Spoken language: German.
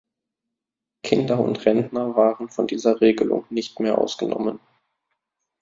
Kinder und Rentner waren von dieser Regelung nicht mehr ausgenommen.